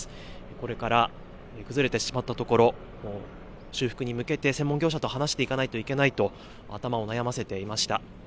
これから崩れてしまった所、修復に向けて専門業者と話していかなきゃいけないと頭を悩ませていました。